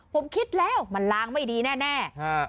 ผมคิดแล้วมันล้างไม่ดีแน่